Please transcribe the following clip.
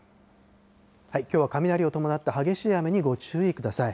きょうは雷を伴った激しい雨にご注意ください。